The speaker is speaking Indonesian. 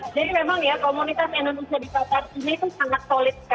jadi memang ya komunitas indonesia di qatar ini tuh sangat